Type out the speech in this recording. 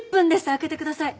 開けてください。